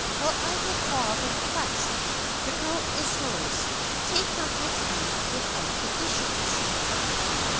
"Well, I withdraw the request. The girl is yours; take her with you without conditions!"